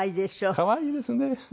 可愛いですね。